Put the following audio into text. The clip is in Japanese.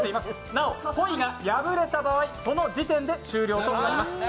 なおポイが破れた場合その時点で終了となります。